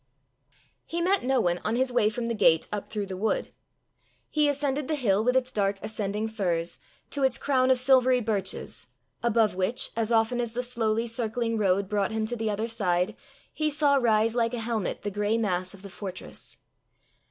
He met no one on his way from the gate up through the wood. He ascended the hill with its dark ascending firs, to its crown of silvery birches, above which, as often as the slowly circling road brought him to the other side, he saw rise like a helmet the gray mass of the fortress.